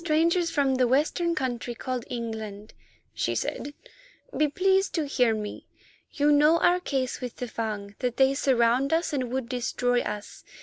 "Strangers from the Western country called England," she said, "be pleased to hear me. You know our case with the Fung—that they surround us and would destroy us.